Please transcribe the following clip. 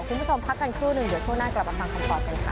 คุณผู้ชมพักกันครู่หนึ่งเดี๋ยวช่วงหน้ากลับมาฟังคำตอบกันค่ะ